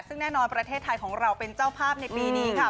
ซึ่งแน่นอนประเทศไทยของเราเป็นเจ้าภาพในปีนี้ค่ะ